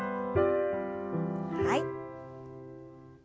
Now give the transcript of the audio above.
はい。